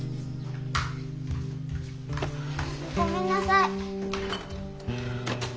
ごめんなさい。